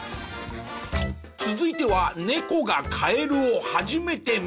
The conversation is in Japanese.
続いては猫がカエルを初めて見たら。